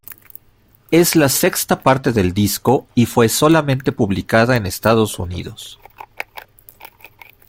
Es la sexta parte del disco y fue solamente publicada en Estados Unidos.